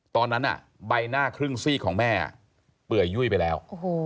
ตอนนั้นใบหน้าครึ่งซี่ของแม่เปื่อยยุ่ยไปแล้ว